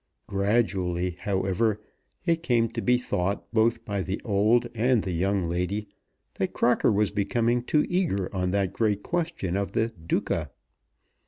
Gradually, however, it came to be thought both by the old and the young lady, that Crocker was becoming too eager on that great question of the Duca.